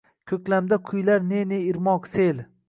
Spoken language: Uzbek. Ko’klamda quyilar ne-ne irmoq, sel